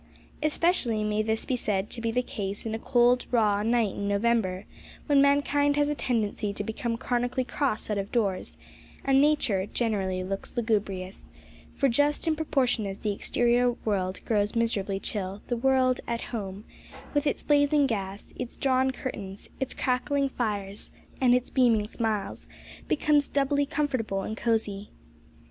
Especially may this be said to be the case in a cold, raw night in November, when mankind has a tendency to become chronically cross out of doors, and nature, generally, looks lugubrious; for, just in proportion as the exterior world grows miserably chill, the world "at home," with its blazing gas, its drawn curtains, its crackling fires, and its beaming smiles, becomes doubly comfortable and cosy.